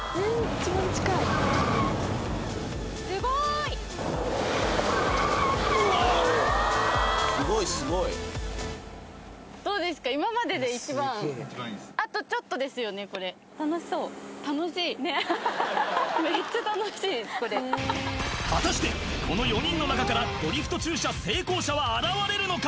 一番いいです楽しいハハハハこれ果たしてこの４人の中からドリフト駐車成功者は現れるのか？